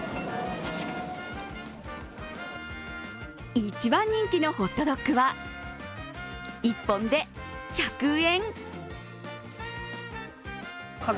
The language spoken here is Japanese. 一番人気のホットドッグは１本で１００円。